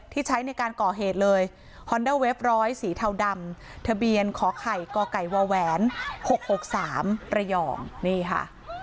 ใช้ในการก่อเหตุเลยฮอนเดอร์เว็บร้อยสีเทาดำทะเบียนขอไข่กไก่วแหวน๖๖๓ระยองนี่ค่ะ